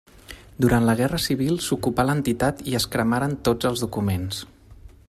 Durant la Guerra Civil s'ocupà l'entitat i es cremaren tots els documents.